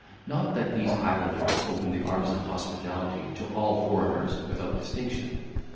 Not that these islanders open the arms of hospitality to all foreigners without distinction.